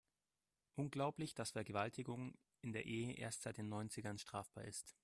Unglaublich, dass Vergewaltigung in der Ehe erst seit den Neunzigern strafbar ist.